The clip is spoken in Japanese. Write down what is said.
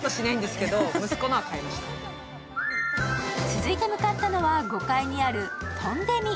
続いて向かったのは５階にあるトンデミ。